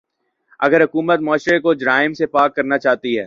اگر حکومت معاشرے کو جرائم سے پاک کرنا چاہتی ہے۔